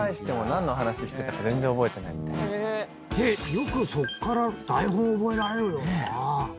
よくそっから台本覚えられるよな。